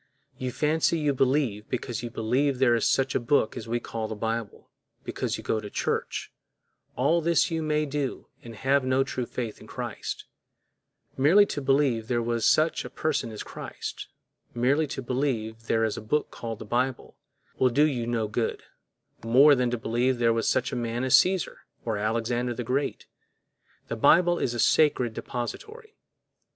You fancy you believe because you believe there is such a book as we call the Bible, because you go to church—all this you may do and have no true faith in Christ; merely to believe there was such a person as Christ, merely to believe there is a book called the Bible, will do you no good, more than to believe there was such a man as Cæsar or Alexander the Great. The Bible is a sacred depository.